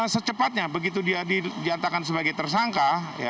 secepatnya begitu dia dijatakan sebagai tersangka